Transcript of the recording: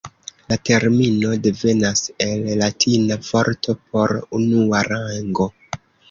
La termino devenas el latina vorto por "unua rango".